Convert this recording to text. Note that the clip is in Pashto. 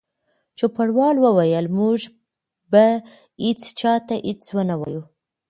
چوپړوال وویل: موږ به هیڅ چا ته هیڅ ونه وایو.